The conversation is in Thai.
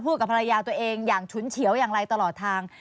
กับภรรยาตัวเองอย่างฉุนเฉียวอย่างไรตลอดทาง